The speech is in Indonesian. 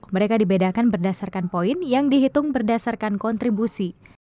mereka dibedakan berdasarkan poin yang dihitung berdasarkan kontribusi